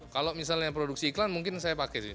kalau misalnya produksi iklan mungkin saya pakai